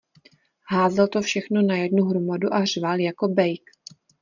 Házel to všechno na jednu hromadu a řval jako bejk.